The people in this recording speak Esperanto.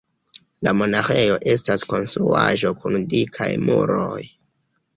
La monaĥejo estas konstruaĵo kun dikaj muroj.